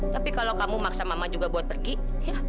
tapi kalau kamu maksa mama juga buat pergi ya